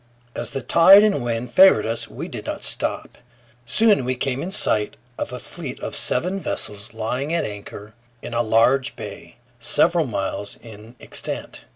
As the tide and wind favored us, we did not stop. Soon we came in sight of a fleet of seven vessels lying at anchor in a large bay, several miles in extent.